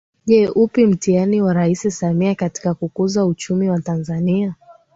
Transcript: Je upi mtihani wa Rais Samia katika kukuza uchumi wa Tanzania